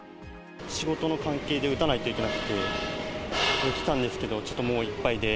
仕事の関係で打たないといけなくて、来たんですけど、ちょっともういっぱいで。